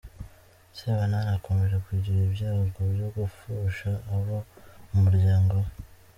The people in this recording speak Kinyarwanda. Sebanani akomeje kugira ibyago byo gupfusha abo mu muryango we